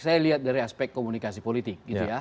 saya lihat dari aspek komunikasi politik